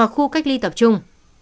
khu cách ly tập trung